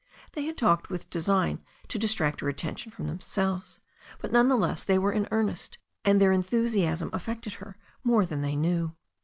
They had talked with design to distract her attention from themselves, but none the less they were in earnest, and their enthusiasm affected her more than they knew.